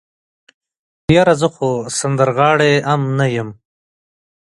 يره زه خو سندرغاړی ام نه يم.